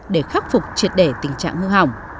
để khắc phục triệt đề tình trạng hư hỏng